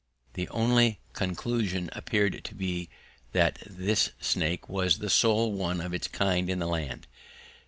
The only conclusion appeared to be that this snake was the sole one of its kind in the land.